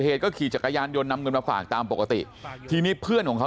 เหตุก็ขี่จักรยานยนต์นำเงินมาฝากตามปกติทีนี้เพื่อนของเขา